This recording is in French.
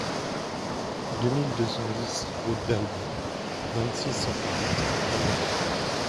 deux mille deux cent dix route d'Albon, vingt-six, cent quarante à Anneyron